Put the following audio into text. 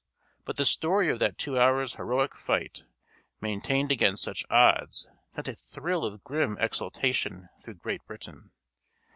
But the story of that two hours' heroic fight maintained against such odds sent a thrill of grim exultation through Great Britain.